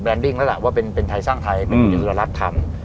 แบรนดิ้งแล้วว่าเป็นไทยสร้างไทยเป็นผู้บุยสูนะรัฐทำ